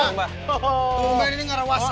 tumben ini ngerawas aja